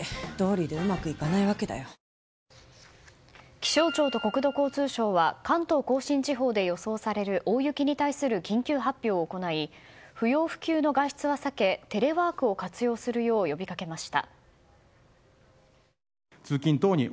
気象庁と国土交通省は関東・甲信地方で予想される大雪に対する緊急発表を行い不要不急の外出は避けテレワークを活用するよう呼びかけました。